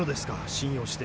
信用して。